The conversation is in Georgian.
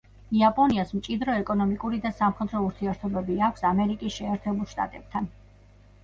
იაპონიას მჭიდრო ეკონომიკური და სამხედრო ურთიერთობები აქვს ამერიკის შეერთებულ შტატებთან.